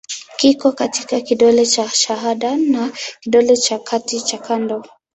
Kiko kati ya kidole cha shahada na kidole cha kati cha kando.